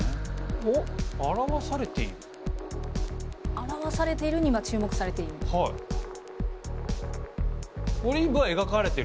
「表されている」に今注目されている？